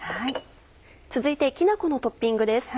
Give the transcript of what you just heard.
続いてきな粉のトッピングです。